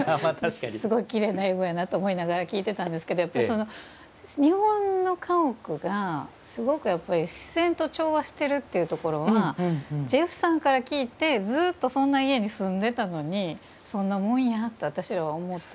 すごいきれいな英語やなと思いながら聞いてたんですけど日本の家屋がすごくやっぱり自然と調和してるっていうところはジェフさんから聞いてずっとそんな家に住んでたのにそんなもんやって私らは思っていて。